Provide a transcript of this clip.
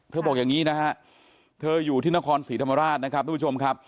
บอกอย่างนี้นะฮะเธออยู่ที่นครศรีธรรมราชนะครับทุกผู้ชมครับ